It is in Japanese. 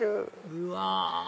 うわ！